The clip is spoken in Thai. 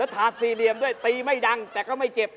ถาดสี่เหลี่ยมด้วยตีไม่ดังแต่ก็ไม่เจ็บ